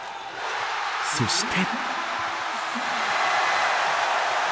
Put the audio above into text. そして。